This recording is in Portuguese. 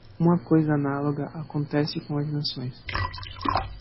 Uma coisa análoga acontece com as nações.